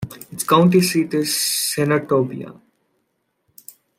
Its county seat is Senatobia.